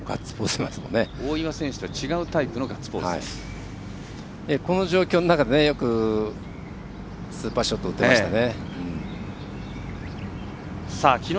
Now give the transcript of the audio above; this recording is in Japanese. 大岩選手とは違うタイプのこの状況の中でよく、スーパーショットを打てましたね。